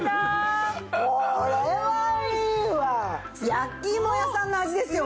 焼きいも屋さんの味ですよ